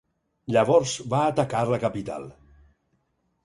Llavors va atacar la capital.